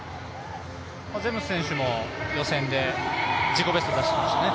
ゼムス選手も予選で自己ベスト出してましたね。